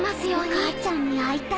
・お母ちゃんに会いたい。